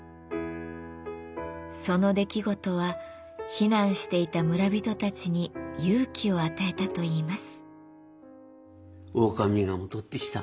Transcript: その出来事は避難していた村人たちに勇気を与えたといいます。